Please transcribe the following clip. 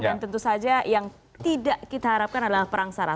dan tentu saja yang tidak kita harapkan adalah perang sarat